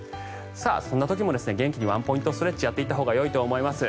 そんな時も元気にワンポイントストレッチやっていったほうがいいと思います。